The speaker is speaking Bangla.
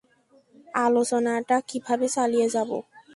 আলোচনাটা কীভাবে চালিয়ে যাব?